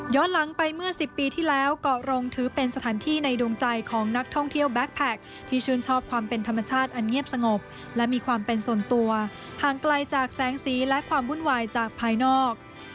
หลังไปเมื่อ๑๐ปีที่แล้วเกาะรงถือเป็นสถานที่ในดวงใจของนักท่องเที่ยวแบ็คแพคที่ชื่นชอบความเป็นธรรมชาติอันเงียบสงบและมีความเป็นส่วนตัวห่างไกลจากแสงสีและความวุ่นวายจากภายนอก